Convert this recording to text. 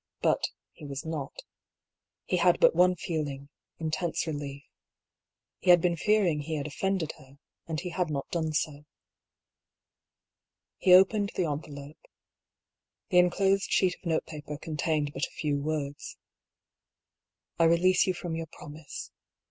But he was not. He had but one feeling, intense relief. He had been fearing he had offended her, and he had not done so. He opened the envelope. The enclosed sheet of notepaper contained but a few words :" 1 release you from your promise.